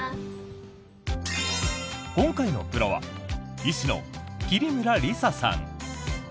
今回のプロは医師の桐村里紗さん。